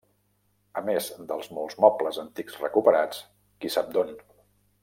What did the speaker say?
A més dels molts mobles antics recuperats, qui sap d'on.